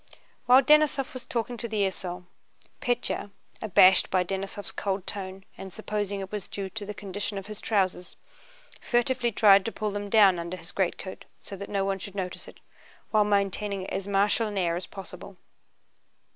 While Denísov was talking to the esaul, Pétya—abashed by Denísov's cold tone and supposing that it was due to the condition of his trousers—furtively tried to pull them down under his greatcoat so that no one should notice it, while maintaining as martial an air as possible.